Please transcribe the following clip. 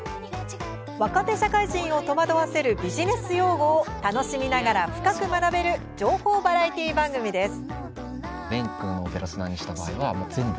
若手社会人を戸惑わせるビジネス用語を楽しみながら深く学べる情報バラエティー番組です。